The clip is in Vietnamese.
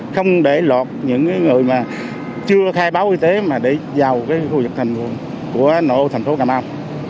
không để lọt những người mà chưa khai báo y tế mà để vào khu vực thành phố cà mau